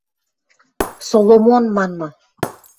Соломон манмы